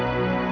terima kasih ya